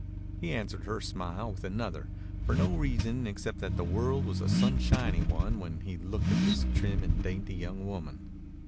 He answered her smile with another for no reason except that the world was a sunshiny one when he looked at this trim and dainty young woman.